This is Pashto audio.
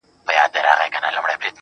د مست کابل، خاموشي اور لګوي، روح مي سوځي